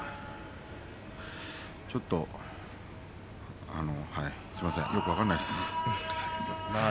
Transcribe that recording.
ちょっと、すみませんよく分からないです。